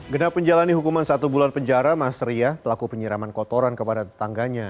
gena penjalani hukuman satu bulan penjara mas ria telaku penyiraman kotoran kepada tetangganya